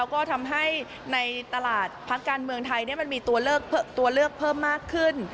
ก็ทำให้ในตลาดพักการเมืองไทยมันมีตัวเลือกเพิ่มมากขึ้น